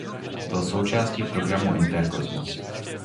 Byl součástí programu Interkosmos.